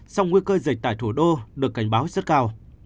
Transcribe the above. song nguy cơ dịch tại thủ đô được cảnh báo rất cao